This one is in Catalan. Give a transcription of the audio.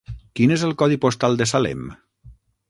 Quin és el codi postal de Salem?